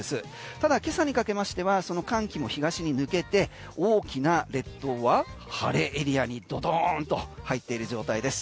ただ今朝にかけましてはその寒気も東に抜けて大きな列島は晴れエリアにドドーンと入っている状態です。